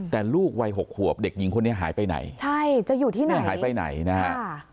แต่ลูกวัย๖ขวบเด็กหญิงคนนี้หายไปไหนใช่จะอยู่ที่ไหนหายไปไหนนะฮะ